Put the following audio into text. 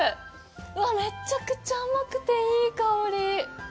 うわ、めちゃくちゃ甘くていい香り。